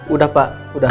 udah pak udah